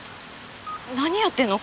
何やってるの？